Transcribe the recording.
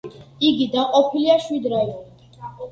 იგი დაყოფილია შვიდ რაიონად.